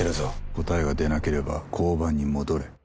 答えが出なければ交番に戻れ。